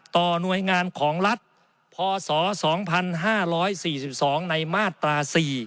ต่อหน่วยงานของรัฐพศ๒๕๔๒ในมาตรา๔